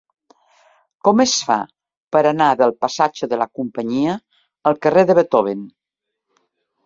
Com es fa per anar del passatge de la Companyia al carrer de Beethoven?